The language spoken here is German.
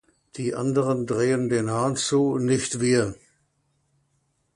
Die anderen drehen den Hahn zu, nicht wir.